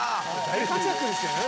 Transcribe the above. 「大活躍ですよね